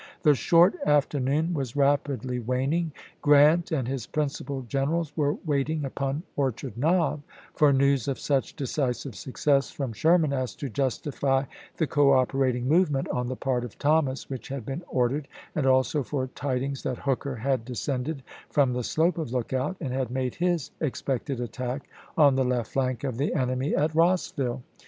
The short afternoon was rapidly waning. Grant Nov.25,1863. and his principal generals were waiting upon Or chard Knob for news of such decisive success from Sherman as to justify the cooperating movement on the part of Thomas which had been ordered, and also for tidings that Hooker had descended from the slope of Lookout, and had made his ex pected attack on the left flank of the enemy at Eossville.